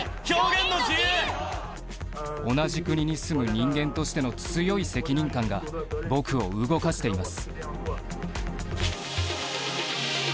同じ国に住む人間としての強い責任感が、僕を動かしています。